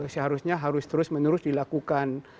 seharusnya harus terus menerus dilakukan